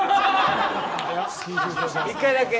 １回だけ。